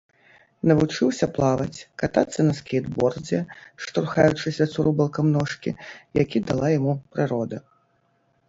Навучыўся плаваць, катацца на скейтбордзе, штурхаючыся цурубалкам ножкі, які дала яму прырода.